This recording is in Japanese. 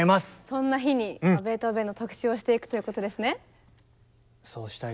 そんな日にベートーベンの特集をしていくということですね。